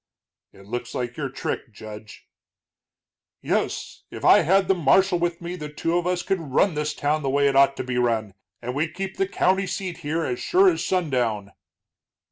"It looks like your trick, Judge." "Yes, if I had the marshal with me the two of us could run this town the way it ought to be run. And we'd keep the county seat here as sure as sundown."